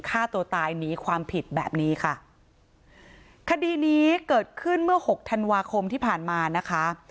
ฆ่าตัวตายหนีความผิดแบบนี้ค่ะคดีนี้เกิดขึ้นเมื่อหกธันวาคมที่ผ่านมานะคะ